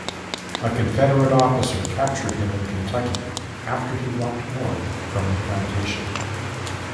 A Confederate officer captured him in Kentucky after he walked north from the plantation.